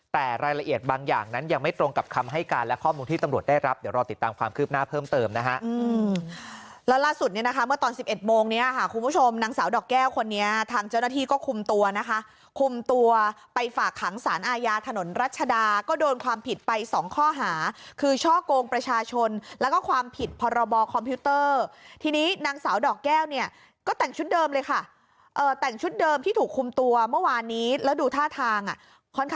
แต่รายละเอียดบางอย่างนั้นยังไม่ตรงกับคำให้การและข้อมูลที่ตำรวจได้รับเดี๋ยวรอติดตามความคืบหน้าเพิ่มเติมนะฮะแล้วล่าสุดเนี่ยนะคะเมื่อตอน๑๑โมงเนี่ยคุณผู้ชมนางสาวดอกแก้วคนนี้ทางเจ้าหน้าที่ก็คุมตัวนะคะคุมตัวไปฝากขังสารอาญาถนนรัชดาก็โดนความผิดไป๒ข้อหาคือช่อกงประชาชนแล้วก็